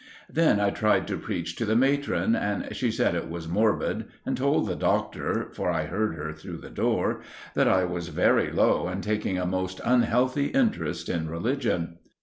Then I tried to preach to the matron, and she said it was morbid and told the doctor (for I heard her through the door) that I was very low and taking a most unhealthy interest in religion.